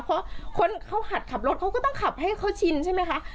เพราะคนเขาหัดขับรถเขาก็ต้องขับให้เขาชินใช่ไหมคะ